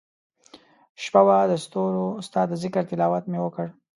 شپه وه دستورو ستا دذکرتلاوت مي وکړ